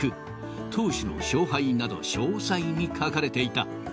投手の勝敗など詳細に書かれていた。